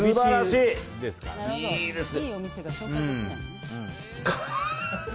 いいですね！